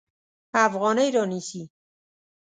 افغانۍ رانیسي.